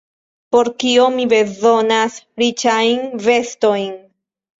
Por kio mi bezonas riĉajn vestojn?